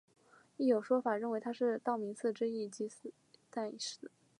亦有说法认为他在道明寺之役即已战死。